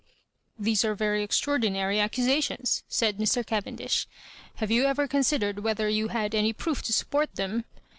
"These are very extraordinary acciisations," said Mr. Cavendish. "Have you ever con sidered whether you had any proof to support them